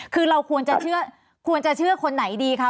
คือเราควรจะเชื่อควรจะเชื่อคนไหนดีคะ